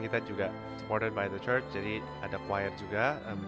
kita juga di dukung oleh gereja jadi ada choir juga